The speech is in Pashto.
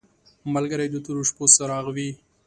ملګری د تورو شپو څراغ وي.